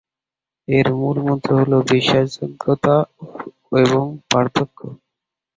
এর মূলমন্ত্র হ'ল "বিশ্বাসযোগ্যতা এবং পার্থক্য"।